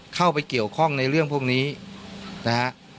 เข้าไปเกี่ยวข้องในเรื่องพวกนี้นะฮะ